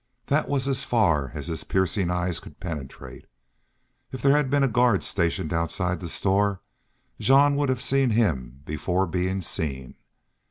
That was as far as his piercing eyes could penetrate. If there had been a guard stationed outside the store Jean would have seen him before being seen.